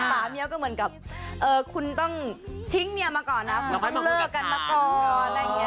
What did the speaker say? ป่าเมียก็เหมือนกับคุณต้องทิ้งเมียมาก่อนนะคุณเลิกกันมาก่อน